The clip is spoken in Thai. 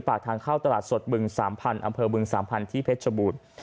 ปากทางเข้าตลาดสดบึง๓๐๐อำเภอบึง๓๐๐ที่เพชรบูรณ์